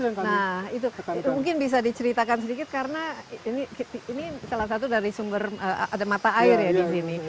nah itu mungkin bisa diceritakan sedikit karena ini salah satu dari sumber ada mata air ya di sini